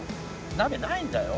鍋ないんだよ。